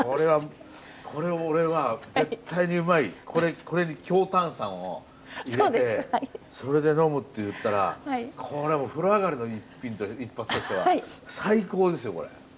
これ俺は絶対にうまいこれに強炭酸を入れてそれで呑むっていったらこれは風呂上がりの一発としては最高ですよこれ。